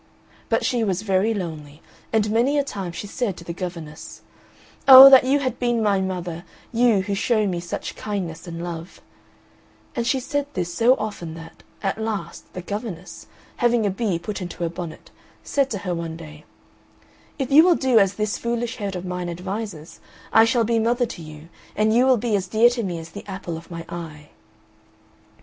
But she was very lonely, and many a time she said to the governess, "Oh, that you had been my mother, you who show me such kindness and love," and she said this so often that, at last, the governess, having a bee put into her bonnet, said to her one day, "If you will do as this foolish head of mine advises I shall be mother to you, and you will be as dear to me as the apple of my eye."